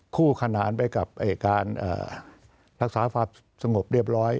คู่ขนานไปกับการรักษาความสงบเรียบร้อย